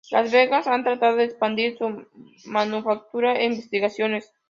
Las Vegas ha tratado de expandir su manufactura e investigaciones.